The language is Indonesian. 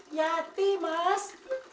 eh yati mas